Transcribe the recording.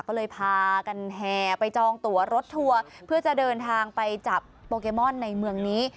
ก็เลยพากันแห่ไปจองตัวรถทัวร์เพื่อจะเดินทางไปจับโปเกมอนในเมืองนี้